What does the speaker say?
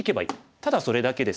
ただそれだけです。